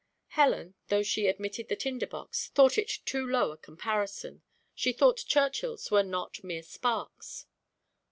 Helen, though she admitted the tinder box, thought it too low a comparison. She thought Churchill's were not mere sparks.